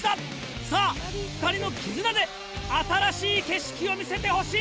さぁ２人の絆で新しい景色を見せてほしい！